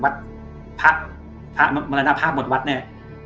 วัดภาพมรรณภาพหมดวัดแน่